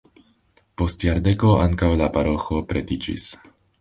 Post jardeko ankaŭ la paroĥo pretiĝis.